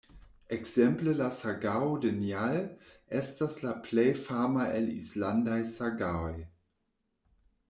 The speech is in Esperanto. Ekzemple La sagao de Njal estas la plej fama el islandaj sagaoj.